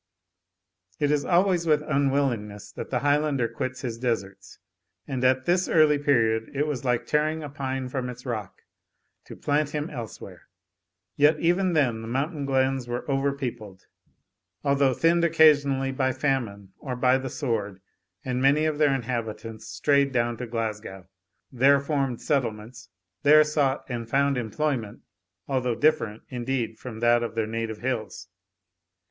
It is always with unwillingness that the Highlander quits his deserts, and at this early period it was like tearing a pine from its rock, to plant him elsewhere. Yet even then the mountain glens were over peopled, although thinned occasionally by famine or by the sword, and many of their inhabitants strayed down to Glasgow there formed settlements there sought and found employment, although different, indeed, from that of their native hills.